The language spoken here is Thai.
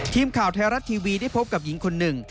ทีมข่าวไทยรัฐทีวีได้พบกับหญิงคนหนึ่ง